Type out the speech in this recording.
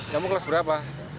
kamu kelas berapa